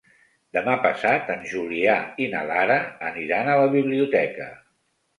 Demà passat en Julià i na Lara aniran a la biblioteca.